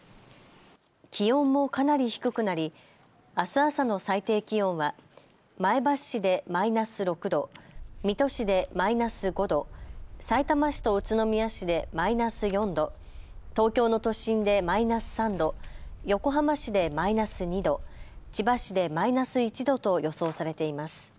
気温もかなり低くなりあす朝の最低気温は前橋市でマイナス６度、水戸市でマイナス５度、さいたま市と宇都宮市でマイナス４度、東京の都心でマイナス３度、横浜市でマイナス２度、千葉市でマイナス１度と予想されています。